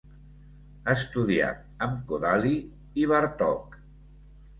Estudià amb Kodály i Bartók.